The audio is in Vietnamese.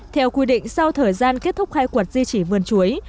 theo quy định sau thời gian kết thúc khai quật di trì vườn chuối